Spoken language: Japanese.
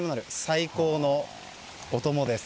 最高のお供です。